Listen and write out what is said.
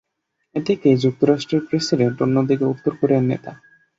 একদিকে যুক্তরাষ্ট্রের প্রেসিডেন্ট, অন্যদিকে উত্তর কোরিয়ার নেতা।